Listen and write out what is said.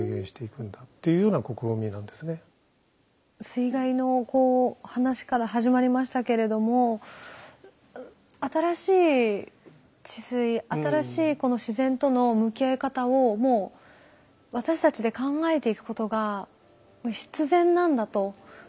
水害の話から始まりましたけれども新しい治水新しいこの自然との向き合い方をもう私たちで考えていくことが必然なんだというふうに思います。